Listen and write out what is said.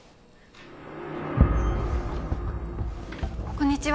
こんにちは。